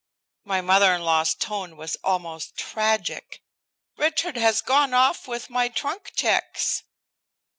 My mother in law's tone was almost tragic. "Richard has gone off with my trunk checks."